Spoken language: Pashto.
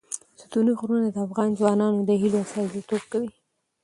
ستوني غرونه د افغان ځوانانو د هیلو استازیتوب کوي.